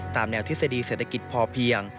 ตามแนวทฤษฎีเศรษฐกิจพอเพียง